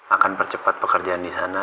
akan percepat pekerjaan disana